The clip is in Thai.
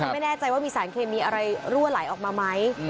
ไม่แน่ใจว่ามีสารเคมีอะไรรั่วไหลออกมาไหม